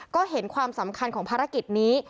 ก็เห็นความสำคัญของภารกิจนี้